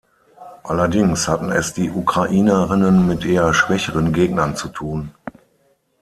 Allerdings hatten es die Ukrainerinnen mit eher schwächeren Gegnern zu tun.